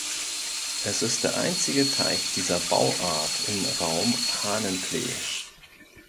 Es ist der einzige Teich dieser Bauart im Raum Hahnenklee.